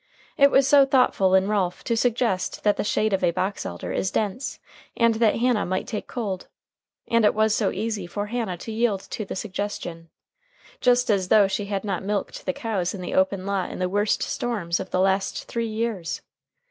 It was so thoughtful in Ralph to suggest that the shade of a box elder is dense, and that Hannah might take cold! And it was so easy for Hannah to yield to the suggestion! Just as though she had not milked the cows in the open lot in the worst storms of the last three years!